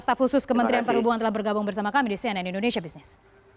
staf khusus kementerian perhubungan telah bergabung bersama kami di cnn indonesia business